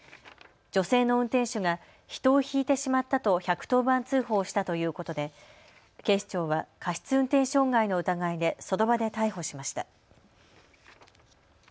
女性の運転手が人をひいてしまったと１１０番通報したということで警視庁は過失運転傷害の疑いでその場で逮捕しました。